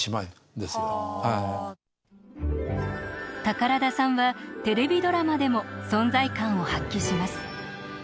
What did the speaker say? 宝田さんはテレビドラマでも存在感を発揮します。